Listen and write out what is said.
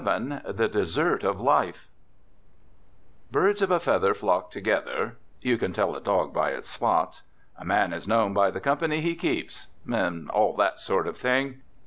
XI THE DESSERT OF LIFE Birds of a feather flock together, you can tell a dog by its spots, a man is known by the company he keeps and all that sort of thing.